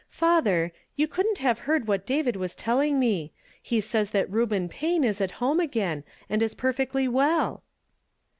" Father, you couldn't have heard what David was telling nie. He says that lleuben Payne is at home again, and is perfectly well."